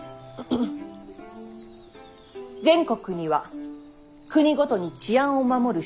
全国には国ごとに治安を守る